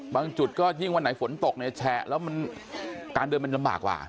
บางจุดก็ยิ่งวันไหนฝนตกในแช่แล้วการเดินเป็นลำบากก่ว่า